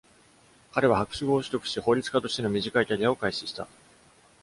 彼は博士号を取得し、法律家としての短いキャリアを開始した。